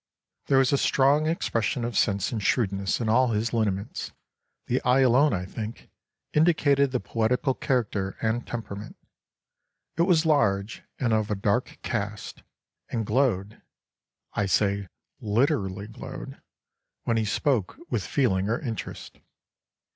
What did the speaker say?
There was a strong expression of sense and shrewdness in all his lineaments; the eye alone, I think, indicated the poetical character and temperament. It was large, and of a dark cast, and glowed (I say literally glowed) when he spoke with feeling or interest.